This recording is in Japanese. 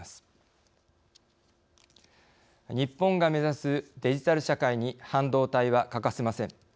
日本が目指すデジタル社会に半導体は欠かせません。